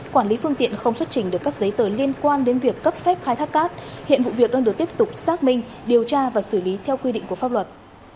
quản lý phương tiện không xuất trình được các giấy tờ liên quan đến việc cấp phép khai thác cát hiện vụ việc đang được tiếp tục xác minh điều tra và xử lý theo quy định của pháp luật